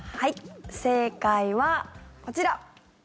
正解はこちら。